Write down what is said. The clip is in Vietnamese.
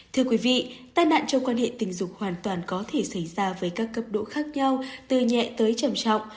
thưa quý vị tai nạn trong quan hệ tình dục hoàn toàn có thể xảy ra với các cấp độ khác nhau từ nhẹ tới trầm trọng